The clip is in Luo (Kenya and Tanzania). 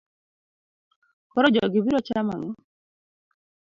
Koro jogi biro chamo ang'o?